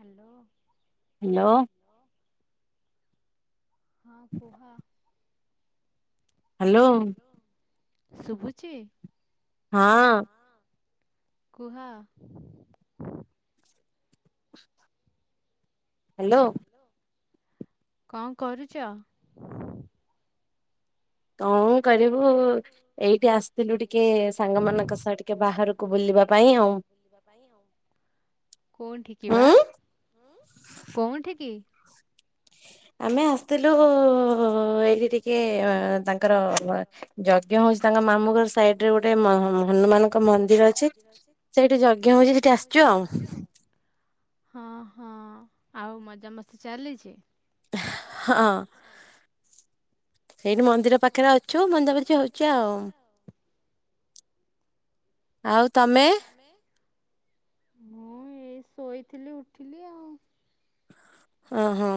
ହାଲ? ହାଲ? ଅ ହଁ କୁହ। ହାଲୋ? ଶୁଭୁଚି? ହଁ। ହଁ କୁହ। ହାଲୋ? କଁ କରୁଚ? ହଁ କରିବୁ ଆଉ ଏଇଠି ଆସିଥିଲୁ ଟିକେ ସାଙ୍ଗ ମାନ ବାହାରକୁ ବୁଲିବା ପାଇଁ ଆଉ କଉଠିକି ବା? ଉଁ କଉଠି କି? ଆମେ ଆସିଥିଲୁ ଏଇଠି ଟିକେ ଅ ତାଙ୍କର ଯ ଜ୍ଞ ହଉଚି ତାଙ୍କ ମାମୁଁ ଘର ସାଇଡରେ ଗୋଟେ ମ ହନୁମାନଙ୍କ ମନ୍ଦିର ଅଛି ସେଇଠି ଯଜ୍ଞ ହଉଚି ସେଇଠି ଆସିଚୁ ଆଉ। ହଁ ହଁ ଆଉ ମଜାମସ୍ତି ଚାଲିଚି? ହଁ। ହଁ। ଏଇଟି ମନ୍ଦିର ପାଖରେ ଅଛୁ ମନ୍ଦାମନ୍ଦି ହଉଚି ଆଉ। ଆଉ ତମେ ମୁଁ ଏଇ ଶୋଇଥିଲି ଉଠିଲି ଆଉ। ଓ ହୋ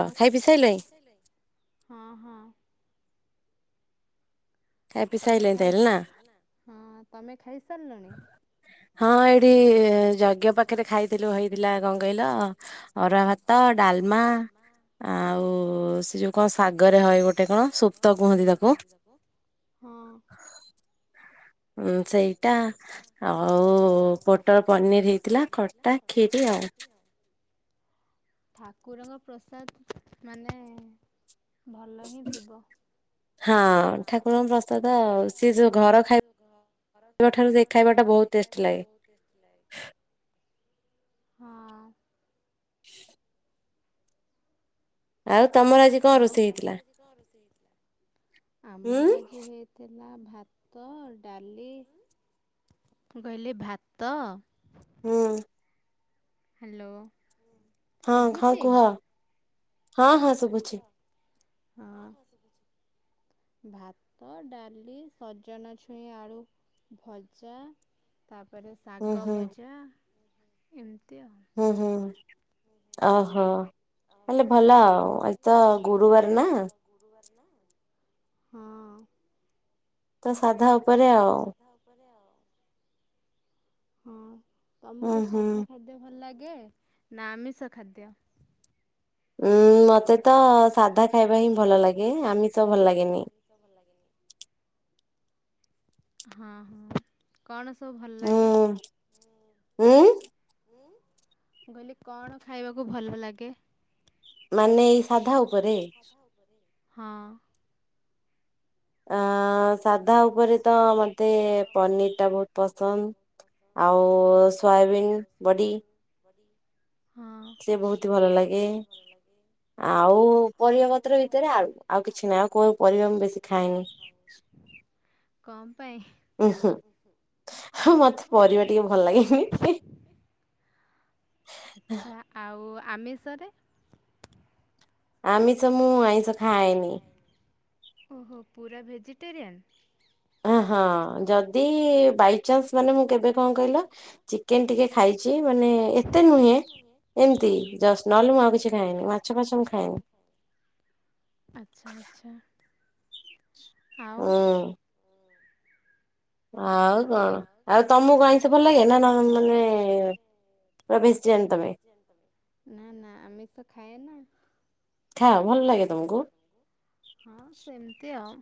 ହଥିଲ ଖାଇ ପିଇ ସାରିଲାଣି ହଁ ହଁ ତମେ ଖାଇ ହଁ ତମେ ଖାଇସାରିଲଣି? ହଁ ଏଇଠି ଯଜ୍ଞ ପାଖରେ ଖାଇଥିଲୁ ହେଇଥିଲା କଣ କହିଲ ଅରୁଆ ଭାତ ଡାଲମା ଆଉ ସେ ଯୋଉ କଣ ଶାଗରେ ହଏ ଗୋଟେ କଣ ସୁପ୍ତ କୁହନ୍ତି ତାକୁ ହଁ ହଁ ସେଇଟା ଆଉ ବଟର ପନିର ହେଇଥିଲା ଖଟା ଖିରି ଆଉ ଠାକୁରଙ୍କ ପ୍ରସାଦ ମାନେ ଭଲ ହିଁ ଥିବ। ହଁ ଠାକୁରଙ୍କ ପ୍ରସ୍ତୁତ ସେ ଯୋଉ ଘ ଘର ଖାଇବା ଠାରୁ ଦେଖାଇବା ଟା ବହୁତ ଟେଷ୍ଟ ଥାଏ ହଁ [inaudible] ଆଉ ତମର ଆଜି ଆଉ ତମର ଆଜି କଣ ରୋଷେଇ ହେଇଥିଲା ଆମର ଆଜି ହେ ଲା ଭାତ ଡାଲି କହିଲି ଭାତ ହଁ ହ୍ୟାଲୋ ହଁ ହଁ କୁହ। ହଁ ହଁ କୁହ ହଁ ଭାତ ଡାଲି ସଜନା ଛୁଇଁ ଆଳୁ ଭଜା ତାପରେ ଶାଗ ଭଜା ଏମିତି ଆଉ ହୁଁ ହୁଁ ଓହୋ। ହେଲେ ଭଲ ଆଉ ଆଜି ତ ଗୁରୁବାର ନା ଗୁରୁବାରେ ନା ହଁ। ତ ସାଧା ଉପରେ ଆଉ ସାଧା ଉପରେ ଆଉ ହଁ ତମକୁ ସାଧା ଖାଦ୍ୟ ଭଲ ଲାଗେ ନା ଆମିଷ ଖାଦ୍ୟ ଉୁଁ ମତେ ତ ସାଧା ଖାଇବା ହିଁ ଭଲ ଲାଗେ ଆମିଷ ତ ଭଲ ଲାଗେନି। ଭଲ ଲାଗେନି ହଁ ହଁ। କଣ ସବୁ ଭଲ ଲାଗେ? ହୁଁ ଉଁ ମୁଁ କହିଲି କଣ ଖାଇବାକୁ ଭଲ ଲାଗେ? ମାନେ ଏଇ ମାନେ ଏଇ ସାଧା ଉପରେ ହଁ ଆ ସାଧା ଉପରେ ତ ମୋତେ ପନିରଟା ବହୁତ ପସନ୍ଦ ଆଉ ସୋୟାବିନ୍ ସୋୟବୀନ ବଡି ସିଏ ବହୁତ ଭଲ ଲାଗେ ଭଲ ଲାଗେ ଆଉ ପରିବା ପତ୍ର ଭିତରେ ଆଳୁ ଆଉ କିଛି ନାହିଁ ଆଉ କୋଉ ପରିବା ମୁଁ ବେଶୀ ଖାଏନି କଣ ପାଇଁ କିଶ ହଁ ମତେ ପରିବା ଟିକେ ଭଲ ଲାଗେନି ଆଚ୍ଛା ଆଉ ଆମିଷରେ ଆମିଷ ମୁଁ ଆଇଁଷ ଖାଏନି ଓହୋ ପୁରା ଭେଜିଟେରିୟାନ୍ ଅ ହଁ ଯଦି ବାଇଚାନ୍ସ ମାନେ ମୁଁ କେବେ କଣ କହିଲ ଚି - ଚିକେନ୍ ଟିକେ ଖାଇଛି ମାନେ ଏତେ ନୁହେଁ। ଏମିତି ଜଷ୍ଟ, ନହେଲେ ମୁଁ ଆଉ କିଛି ଖାଏନି ମାଛ ଫାଛ ମୁଁ ଖାଏନି। ଆଚ୍ଛା ଆଚ୍ଛା। ହୁଁ ଆଉ କଣ ଆଉ ତମକୁ ଆଇଁଷ ଭଲ ଲାଗେ ନାଁ ନନ୍ ମାନେ ପୁରା ଭେଜିଟେରିୟାନ ତମେ। ନା ନା ଆମିଷ ଖାଏ ନା। ଖାଅ ଭଲ ଲାଗେ ତମକୁ ହଁ ସେମିତି ଆଉ।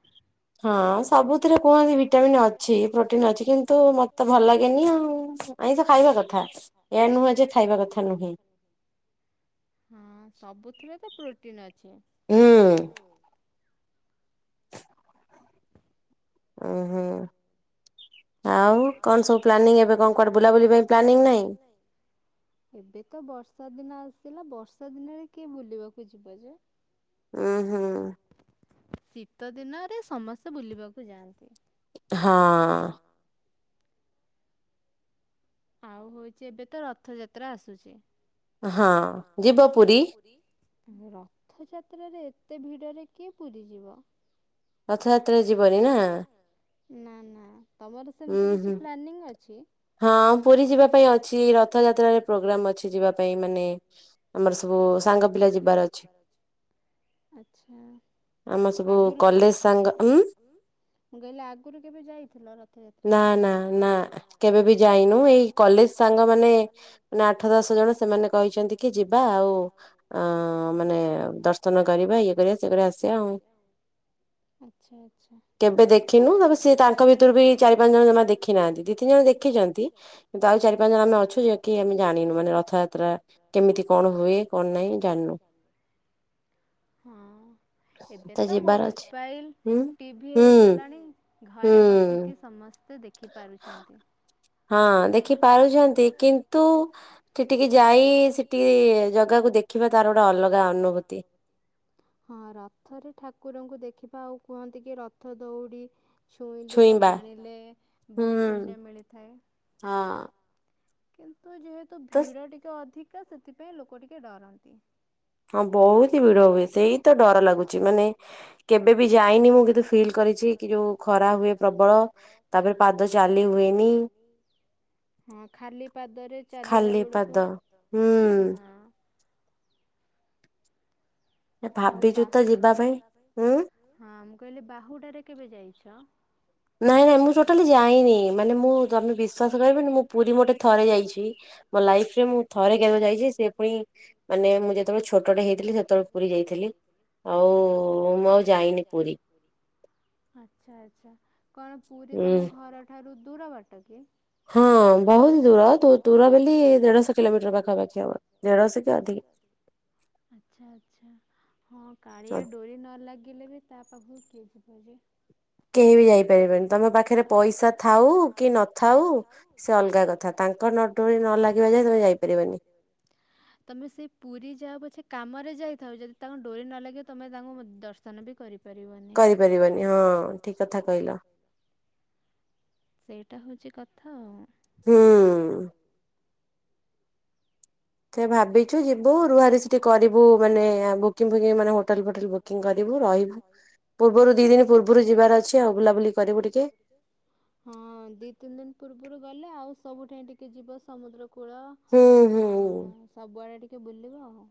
ହଁ ସବୁଥିରେ କୌଣସି ଭିଟାମିନ୍ ଅଛି। ପ୍ରୋ ପ୍ରୋଟିନ୍ ଅଛି, କିନ୍ତୁ ମତେ ଭଲ ଲାଗେନି ଆଉ। ଆଇଁଷ ଖାଇବା କଥା, ଏହା ନୁହେଁ ଯେ ଖାଇବା କଥା ନୁହେଁ। ହଁ ସବୁଥିରେ ତ ପ୍ରୋଟିନ ଅଛି, ହୁଁ। ଅ ହଁ। ଆଉ କଣ ସବୁ ପ୍ଲାନିଂ ଏବେ କଣ କୁଆଡେ ବୁଲାବୁଲି ପାଇଁ ପ୍ଲାନିଂ ନାହିଁ। ଏବେ ତ ବର୍ଷା ଦିନ ଆସିଲା ବର୍ଷା ଦିନରେ କିଏ ବୁଲିବାକୁ ଯିବ ଯେ। ଉଁ ହୁଁ ଶୀତ ଦିନରେ ସମସ୍ତେ ବୁଲିବାକୁ ଯାଆନ୍ତି। ହଁ। ଆଉ ହଉଛି ଏବେ ତ ରଥଯାତ୍ରା ଆସୁଛି। ହଁ, ଯିବ ପୁରୀ? ରଥଯାତ୍ରାରେ ଏତେ ଭିଡ଼ରେ କିଏ ପୁରୀ ଯିବ? ରଥଯାତ୍ରାରେ ଯିବନି ନା। ନା ନା ତମର ସେମିତି କିଛି ପ୍ଲାନିଂ ଅଛି। ହଁ ପୁରୀ ଯିବା ପାଇଁ ଅଛି। ରଥ ଯାତ୍ରାରେ ପ୍ରୋଗ୍ରାମ ଅଛି ଯିବା ପାଇଁ ମାନେ ଆମର ସବୁ ସାଙ୍ଗ ପିଲା ଯିବାର ଅଛି। ଆଚ୍ଛା। ଆଗରୁ କଲେଜ ସାଙ୍ଗ। ମୁଁ କହିଲି ଆଗରୁ କେବେ ଯାଇଥିଲ। ନା ନା ନା କେବେ ବି ଯାଇନୁ ଏଇ କଲେଜ ସାଙ୍ଗ ମାନେ ମାନେ ଆଠ ଦଶ ଜଣ ସେମାନେ କହିଛନ୍ତି କି ଯିବା ଆଉ ଅ ମାନେ ଦର୍ଶନ କରିବା ଇଏ କରିବା ସିଏ କରିବା ଆସିବା ଆଉ। ଆଚ୍ଛା ଆଚ୍ଛା। କେବେ ଦେଖିନୁ ତାପରେ ସେ ତାଙ୍କର ବି ଚାରି ପାଞ୍ଚ ଜଣ ଜମା ଦେଖି ନାହାନ୍ତି ଦି ତିନି ଜଣ ଦେଖିଛନ୍ତି କିନ୍ତୁ ଆଉ ଚାରି ପାଞ୍ଚ ଜଣ ଆମେ ଅଛୁ ଆମେ ଜାଣିନୁ ମାନେ ରଥଯାତ୍ରା କେମିତି କଣ ହୁଏ କଣ ନାହିଁ ଜାଣିନୁ। ହଁ ଏବେ ତ ମୋବ ମୋବାଇଲ୍ ଟିଭି ହେଇଗଲାଣି ଘରେ ବସିକି ସମସ୍ତେ ଦେଖିପାରୁଛନ୍ତି। ହଁ ଦେଖି ପାରୁଛନ୍ତି, କିନ୍ତୁ ସେଠିକି ଯାଇ ସେଠି ଜଗାକୁ ଦେଖିବା ତାର ଗୋଟେ ଅଲଗା ଅନୁଭୂତି। ହଁ ରଥରେ ଠାକୁରଙ୍କୁ ଦେଖିବା ଆଉ କୁହନ୍ତି କି ରଥ ଦଉଡି ଛୁଇଁଲେ ବା ଟାଣିଲେ ବହୁତ ପୁଣ୍ୟ ମିଳିଥାଏ। ହଁ। କିନ୍ତୁ ଯେହେତୁ ଭିଡ଼ ଟିକେ ଅଧିକା ସେଥିପାଇଁ ଲୋକ ଟିକେ ଡରନ୍ତି। ହଁ ବହୁତ ହି ଭିଡ ହୁଏ। ସେଇ ତ ଡର ଲାଗୁଛି, ମାନେ କେବେ ବି ଯାଇନି ମୁଁ ବି ଫିଲ୍ କରି ଯୋଉ ଖରା ହୁଏ ପ୍ରବଳ ତାପରେ ପାଦ ଚାଲି ହୁଏନି। ହଁ ଖାଲି ପାଦରେ ଚାଲିଲା ବେଳକୁ ହଁ। ଆଉ ବାହୁ ଯିବା ପାଇଁ ହଁ ମୁଁ କହିଲି ବାହୁଡାରେ କେବେ ଯାଇଛ ନାଇଁ ନାଇଁ ମୁଁ ଟୋଟାଲି ଯାଇନି ମାନେ ମୁଁ ତମେ ବିଶ୍ଵାସ କରିବିନି ମୁଁ ପୁରୀ ମୁ ମୋଟେ ଥରେ ଯାଇଛି। ମୋ ଲାଇଫ ରେ ମୁଁ ଥରେ କେବେ ଯାଇଛି ସେ ପୁଣି ମାନେ ମୁଁ ଯେତେବେଳେ ଛୋଟଟେ ହେଇଥିଲି ସେତେବେଳେ ପୁରୀ ଯାଇ ଥିଲି ଆଉ ମୁଁ ଆଉ ଯାଇନି ପୁରୀ। ଆଚ୍ଛା ଆଚ୍ଛା କଣ ପୁରୀ ତମ ଘରଠାରୁ ଦୂର ବାଟ କି। ହଁ ବହୁତ ଦୂର ଦୁ ଦୂର ବୋଲି ଦେଢଶହ କିଲୋମିଟର ପାଖାପାଖି ହବ। ଦେଢ଼ଶ କି ଅଧିକ ଆଚ୍ଛା ଆଚ୍ଛା। ହଁ କାଳିଆ ଡୋରି ନ ଲାଗିଲେ ବି ତା ପାଖରୁ କିଏ ଯିବ ଯେ। କେହି ବି ଯାଇପାରିବନି ତାଙ୍କ ପାଖରେ ପଇସା ଥାଉ କି ନଥାଉ ସେ ଅଲଗା କଥା ତାଙ୍କ [unintelligible] ନଟୁ ନ ଲାଗିବା ଯାଏ ତମେ ଯାଇପାରିବନି। ତମେ ସେଇ ପୁରୀ ଯାଅ ପଛେ କାମରେ ଯାଇଥାଉ ଯଦି ତାଙ୍କ ଡୋରି ନ ଲାଗେ ତମେ ତାଙ୍କୁ ଦର୍ଶନ ବି କରିପାରିବନି କରିପାରିବନି ହ କଥା କହିଲ। ସେଇଟା ହଉଛି କଥା ଆଉ। ହୁଁ। ସେ ଭାବିଛୁ ଯିବୁ ରୁହାରି ସେଠିିକରିବୁ ମାନେ ଆ ବୁକିଙ୍ଗ ଫୁକିଙ୍ଗ ମାନେ ହୋଟେଲ ଫୋଟେଲ ବୁ କକିଂ କରିବୁ ରହିବୁ ପୂର୍ବରୁ ଦି ଦିନ ପୂର୍ବରୁ ଯିବାର ଅଛି ଆଉ ବୁଲାବୁଲି କରିବୁ ଟିକେ। ହଁ ଦି ତିନି ଦିନ ପୂର୍ବରୁ ଗଲେ ଆଉ ସବୁଠାଇ ଟିକେ ଯିବ ସମୁଦ୍ର କୂଳ ହୁଁ ହୁ। ହଁ ସବୁଆଡେ ଟିକେ ବୁଲିବ ଆଉ।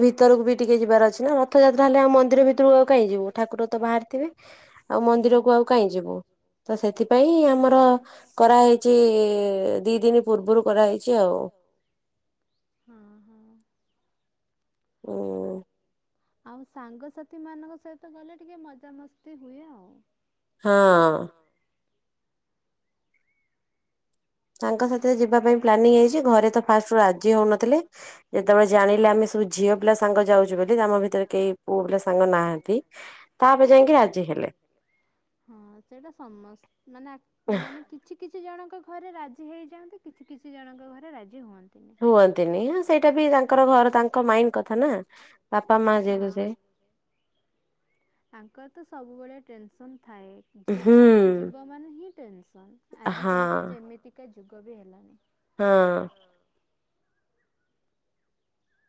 ମନ୍ଦିର ଭିତରକୁ ବି ଟିକେ ଯିବାର ଅଛି ନା ରଥଯାତ୍ରା ହେଲେ ଆମ ମନ୍ଦିର ଭିତରକୁ ଆଉ କାହି ଯିବୁ ଠାକୁର ତ ବାହାରିଥିବେ। ହଁ ମନ୍ଦିରକୁ ଆଉ କାଁଇ ଯିବ। ସେଥିପାଇଁ ଆମର କରାହେଇଛି ଦି ଦିନ ପୂର୍ବରୁ କରାହେଇଛି ଆଉ। ହଁ ହଁ। ଓ ଓ ଆଉ ସାଙ୍ଗସାଥି ମାନଙ୍କ ସହିତ ଗଲେ ଟିକେ ମଜାମସ୍ତି ହୁଏ ଆଉ। ହଁ ଅ। ତାଙ୍କ ସହିତ ଯିବା ପାଇଁ ପ୍ଲାନିଂ ହେଇଛି ଘରେ ତ ଫାଷ୍ଟ ରାଜି ହଉନଥିଲେ ଯେତେବେଳେ ଜାଣିଲେ ଆମେ ସ ଝିଅ ପିଲା ସାଙ୍ଗ ଯାଉଚୁ ବୋଲି ଆମ ଭିତରେ କେହି ପୁଅ ପିଲା ସାଙ୍ଗ ନାହାନ୍ତି ତାପରେ ଯାଇଁକି ରାଜି ହେଲେ। ହଁ ସେଇଟା ସମସ୍ତ ମାନେ ମାନେ କି କିଛି କିଛି ଜଣଙ୍କ ଘରେ ରାଜି ହେଇଯାଆନ୍ତି କିଛି କିଛି ଜଣଙ୍କ ଘରେ ରାଜି ହୁଅନ୍ତ ହୁଅନ୍ତିନି ହ ସେଇଟା ବି ତାଙ୍କର ଘର ତାଙ୍କ ମାଇଣ୍ଡ କଥା ନା ବାପା ମା ଯିଏକ ସେ ତାଙ୍କର ତ ସବୁବେଳେ ଟେନସନ ଥାଏ ଝିଅ ବାହାରକୁ ଯିବ ମାନେ ହିଁ ଟେନସନ ଆଜିକାଲିକା ଯେମିତିକା ଯୁଗ ବି ହେଲାଣି। ହଁ।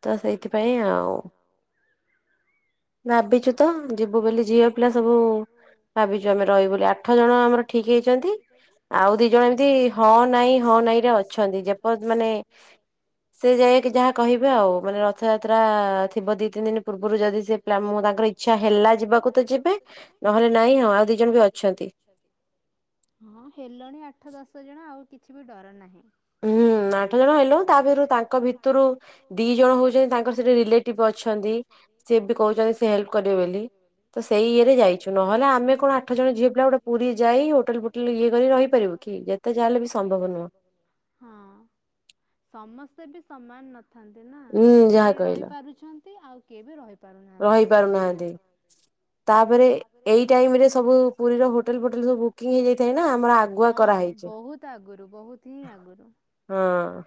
ତ ସେଇଥିପାଇଁ ଆଉ ଭାବିଛୁ ତ ଯିବୁ ବୋଲି ଝିଅ ପିଲା ସବୁ ଭାବିଛୁ ଆମେ ରହିବୁ ବୋଲି ଆଠ ଜଣ ଆମର ଠିକ ହେଇଚନ୍ତି। ଆଉ ଦି ଜଣ ଏମତି ହଁ ନାଇଁ ହଁ ନାଇଁ ରେ ଅଛନ୍ତି ଯେପ ମାନେ ସେ ଯାଇକି ଯାହା କହିବେ ଆଉ ମାନେ ରଥଯାତ୍ରା ଆ ଥିବ ଦି ତିନି ଦିନ ପୂର୍ବରୁ ଯଦି ସେ ପ୍ଲା ଲା ମୁଁ ତାଙ୍କର ଇଚ୍ଛା ହେଲା ଯିବାକୁ ତ ଯିବି ନହେଲେ ନାଇଁ ହଁ ଆଉ ଦି ଜଣ ବି ଅଛନ୍ତି। ହଁ ହେଲଣି ଆଠ ଦଶ ଜଣ ଆଉ କିଛି ବି ଡର ନାହିଁ। ଉଁ ହୁଁ ନା ଆଠ ଜଣ ଆଇଲୁ ତା ଭିରୁ ତାଙ୍କ ଭିତୁରୁ ଦି ଜଣ ହୋଉଚନ୍ତି ତାଙ୍କର ସେଠି ରିଲେଟିଭ ଅଛନ୍ତି। ସିଏ ବି କୋହୁଚନ୍ତି ସେ ହେଲ୍ପ କରିବେ ବୋଲି ତ ସେଇ ଇଏରେ ଯାଇଚୁ ନହେଲେ ଆମେ କଣ ଆଠ ଜଣ ଝିଅ ପିଲା ଗୋଟେ ଝିଅ ପିଲା ଗୋଟେ ପୁରୀ ଯାଇ ହୋଟେଲ୍ ବୁକିଙ୍ଗ ଇଏ କରି ରହିପାରିବ ଯେତେ ଯା ହେଲେ ବି ସମ୍ଭବ ନୁହଁ। ହଁ ସମସ୍ତେ ବି ସମାନ ନ ଥାନ୍ତି ନା କିଏ ବି ଯାଇ ରହିପାରୁଛନ୍ତି ଆଉ କିଏ ବି ରହିପାରୁନାହାନ୍ତି। ତାପରେ ଏଇ ଟାଇମ ରେ ସବୁ ପୁରୀ ର ହୋଟେଲ ଫୋଟେଲ ବୁକୀଙ୍ଗ ହେଇଯାଇଥାଏ ନା। ବହୁତୁ ଆଗରୁ ବହୁତୁ ହିଁ ଆଗରୁ। ହଁ।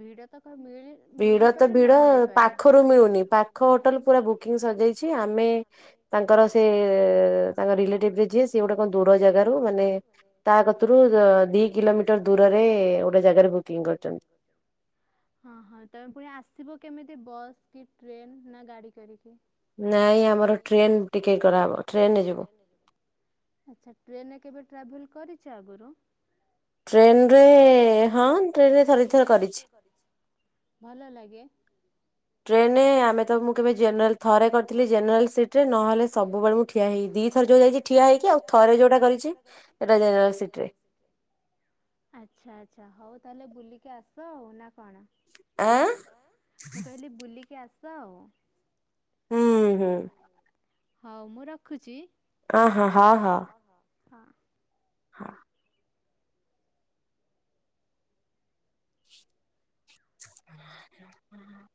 ଭିଡ଼ତକ ମିଳି ଭିଡ ତ ଭିଡ ପାଖରୁ ମିଳୁନି ପାଖ ହୋଟେଲ ପୁରା ବୁକିଂ ସରି ଯାଇଚି ଆମେ ତାଙ୍କର ସେ ତାଙ୍କ ରିଲେଟିଭରେ ଯିଏ ସେ ଗୋଟେ କଣ ଦୂର ଜାଗାରୁ ମାନେ ତା କତରୁ ଦି କିଲୋମିଟର ଦୂରରେ ଗୋଟେ ଜାଗାରେ ବୁକିଂ କରୁଚନ୍ତି। ହଁ ହଁ ତମେ ପୁଣି ଆସିବ କେମିତି ବସ୍ କି ଟ୍ରେନ ନା ଗାଡି କରିକି? ନାଇଁ ଆମର ଟ୍ରେନ ଟିକେଟ କରାଜିବ ଟ୍ରେନରେ ଯିବ। ଆଚ୍ଛା ଟ୍ରେନ ରେ କେବେ ଟ୍ରାଭେଲ କରିଛ ଆଗରୁ? ଟ୍ରେନରେ ହଁ ଟ୍ରେନରେ ଥରେଦିଥର କରିଛି। ଭଲ ଲାଗେ? ଟ୍ରେନରେ ଆମେ ତ ମୁଁ କେବେ ଜେନେରାଲ ଥରେ କରିଥିଲି ଯେନେରାଲ ସିଟରେ ନହେଲେ ସବୁବେଳେମୁଁ ମୁଁ ଠି ଠିଆ ହେଇ ଦି ଥର ଯୋଉ ଯାଇଚି ଠିଆ ହେଇକି ଆଉ ଥରେ ଯୋଉଟା କରିଚି ଏଟା [unintelligible] [inaudible] ଆଚ୍ଛା ଆଚ୍ଛା ହଉ ତାଲେ ବୁଲିକି ଆସ ଆଉ ନା କଣ। ମୁଁ କହିଲି ବୁଲିକି ଆସ ଆଉ। ହୁଁ ହୁଁ। ହଉ ମୁଁ ରଖୁଛି। ଅ ହଁ ହଁ ହଁ। ହଁ। ହଁ। [inaudible]